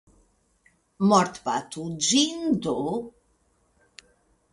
Mortbatu ĝin do!